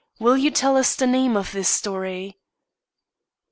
Will you tell us the name of this story?"